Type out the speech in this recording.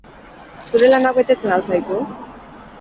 Zure lanak betetzen al zaitu?